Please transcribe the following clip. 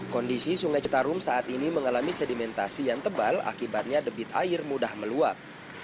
kondisi sungai citarum saat ini mengalami sedimentasi yang tebal akibatnya debit air mudah meluap